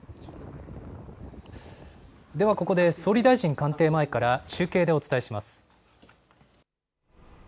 ではここで総理大臣官邸前から中継でお伝えします。